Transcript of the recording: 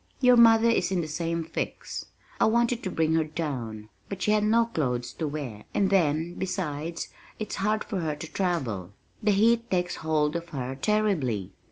Your mother is in the same fix. I wanted to bring her down, but she had no clothes to wear and then, besides, it's hard for her to travel. The heat takes hold of her terribly."